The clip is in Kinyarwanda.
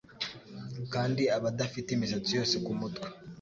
Kandi abadafite imisatsi yose kumutwe